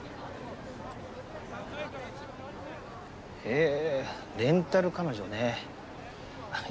へぇレンタル彼女ねあっ